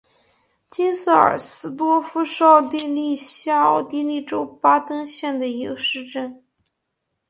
金瑟尔斯多夫是奥地利下奥地利州巴登县的一个市镇。